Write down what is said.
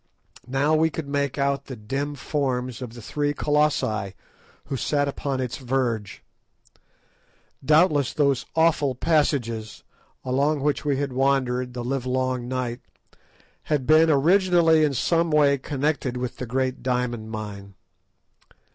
Now we could make out the dim forms of the three Colossi who sat upon its verge. Doubtless those awful passages, along which we had wandered the livelong night, had been originally in some way connected with the great diamond mine.